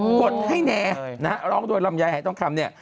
กดให้แหน่ร้องด้วยลำไยหายทองคำ